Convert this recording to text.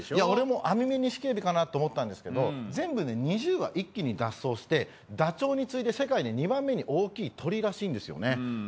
俺もアミメニシキヘビかなと思ったんですけど全部ね２０羽一気に脱走してダチョウに次いで世界に２番目に大きい鳥らしいんですよね。